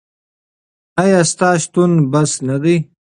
ایا ستا شتون بس نه دی؟